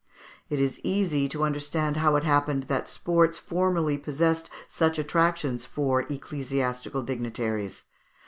It is easy to understand how it happened that sports formerly possessed such attractions for ecclesiastical dignitaries.